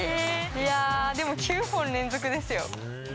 いやぁ、でも９本連続ですよ。